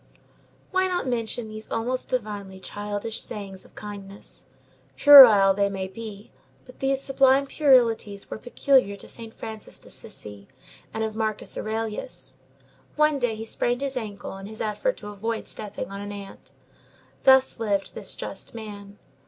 Why not mention these almost divinely childish sayings of kindness? Puerile they may be; but these sublime puerilities were peculiar to Saint Francis d'Assisi and of Marcus Aurelius. One day he sprained his ankle in his effort to avoid stepping on an ant. Thus lived this just man.